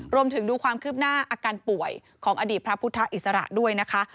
ดูความคืบหน้าอาการป่วยของอดีตพระพุทธอิสระด้วยนะคะ